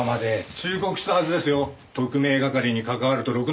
忠告したはずですよ特命係に関わるとろくな事がないと。